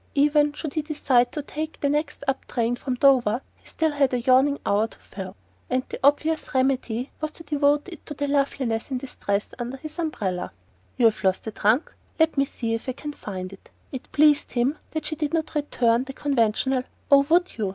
Even should he decide to take the next up train from Dover he still had a yawning hour to fill; and the obvious remedy was to devote it to the loveliness in distress under his umbrella. "You've lost a trunk? Let me see if I can find it." It pleased him that she did not return the conventional "Oh, WOULD you?"